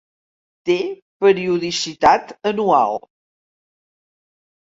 Té periodicitat anual.